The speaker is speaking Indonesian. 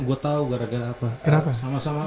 gue tau gue ragain apa sama sama